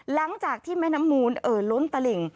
หลังจากที่แม่น้ำมูลเอ่อล้นตลิ่ง